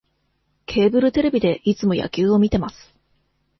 ケーブルテレビでいつも野球を観てます